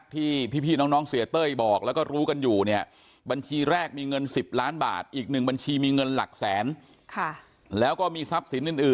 ที่พี่น้องเสียเต้ยบอกแล้วก็รู้กันอยู่เนี่ย